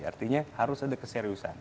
artinya harus ada keseriusan